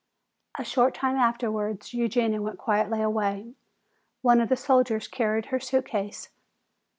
A short time afterwards Eugenia went quietly away. One of the soldiers carried her suitcase.